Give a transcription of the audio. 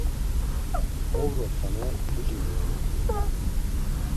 Ovro tane puci miyonut̆u.